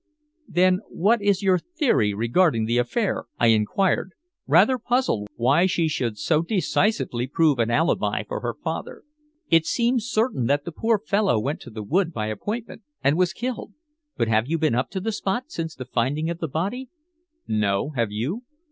"Then what is your theory regarding the affair?" I inquired, rather puzzled why she should so decisively prove an alibi for her father. "It seems certain that the poor fellow went to the wood by appointment, and was killed. But have you been up to the spot since the finding of the body?" "No. Have you?"